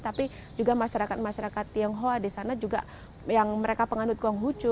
tapi juga masyarakat masyarakat tionghoa di sana juga yang mereka penganut gonghucu